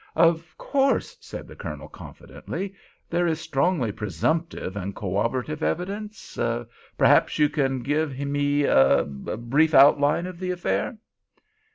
"Of course," said the Colonel, confidently, "there is strongly presumptive and corroborative evidence? Perhaps you can give me—er—a brief outline of the affair?"